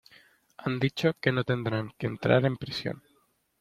Han dicho que no tendrán que entrar en prisión.